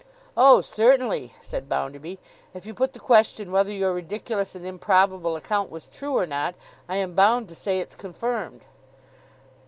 'Oh, certainly!' said Bounderby. 'If you put the question whether your ridiculous and improbable account was true or not, I am bound to say it's confirmed.